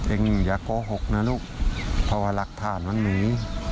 อย่าโกหกนะลูกเพราะว่าหลักฐานมันหนี